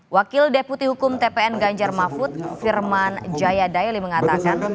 wakil deputi hukum tpn ganjar mahfud firman jaya daeli mengatakan